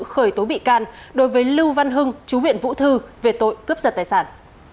khởi tố bị can đối với lưu văn hưng chú huyện vũ thư về tội cướp giật tài sản